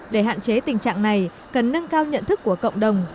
để hạn chế tình trạng này cần nâng cao nhận thức của cộng đồng